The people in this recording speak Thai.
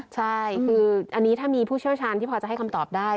ใช่คืออันนี้ถ้ามีผู้เชี่ยวชาญที่พอจะให้คำตอบได้